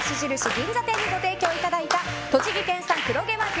銀座店にご提供いただいた栃木県産黒毛和牛